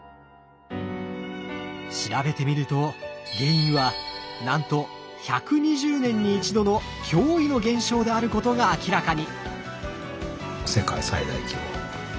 調べてみると原因はなんと１２０年に一度の驚異の現象であることが明らかに！